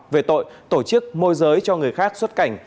về tội tổ chức môi giới cho người khác xuất cảnh